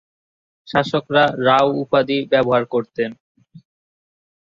শাসকরা "রাও" উপাধি ব্যবহার করতেন।